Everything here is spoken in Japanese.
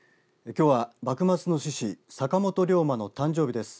きょうは幕末の志士坂本龍馬の誕生日です。